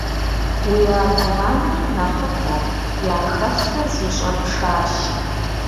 Уи адэ-анэм нэхъыфӀу яхэлъыр зыщӀэпшащ.